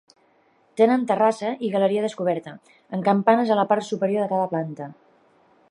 Tenen terrassa i galeria descoberta, amb campanes a la part superior de cada planta.